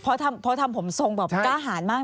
เพราะทำผมทรงแบบกล้าหารมาก